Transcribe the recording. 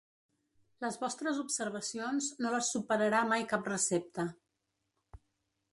Les vostres observacions no les superarà mai cap recepta.